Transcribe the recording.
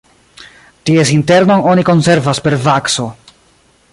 Ties internon oni konservas per vakso.